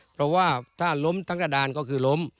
เพราะว่าถ้าล้มทั้งกระดานก็คือล้ม